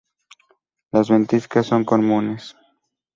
Las ventiscas son comunes.